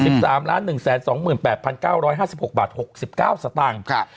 ๑๓๑๒๘๙๕๖บาท๖๙สตางค์